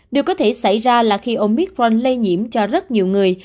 điều có thể xảy ra là khi omicron lây nhiễm cho rất nhiều người